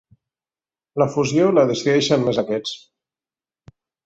La fusió la decideixen més aquests.